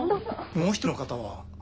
もう一人の方は？